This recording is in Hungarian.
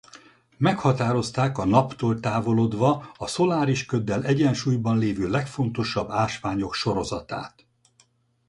Meghatározták a Naptól távolodva a szoláris köddel egyensúlyban lévő legfontosabb ásványok sorozatát.